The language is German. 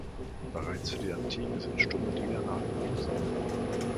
Bereits für die Antike sind "stumme Diener" nachgewiesen.